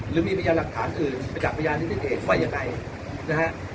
หรือมีประยะหลักฐานอื่นประจัดประยะนิติเอกว่าอย่างไรนะฮะ